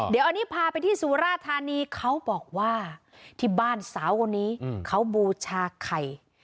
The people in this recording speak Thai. เดี๋ยวอันนี้พาไปที่สุราธานีเขาบอกว่าที่บ้านสาวคนนี้เขาบูชาไข่